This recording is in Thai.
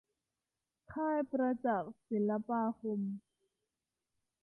ค่ายประจักษ์ศิลปาคม